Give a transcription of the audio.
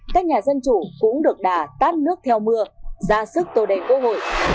các nhà dân chủ cũng được đà tát nước theo mưa ra sức tổ đề quốc hội